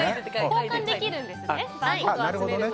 交換できるんですね。